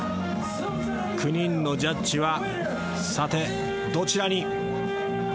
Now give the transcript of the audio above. ９人のジャッジはさてどちらに。